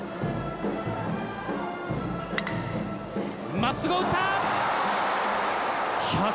真っすぐを打った！